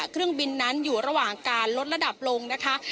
เครื่องบินนั้นอยู่ระหว่างการลดระดับลงนะคะ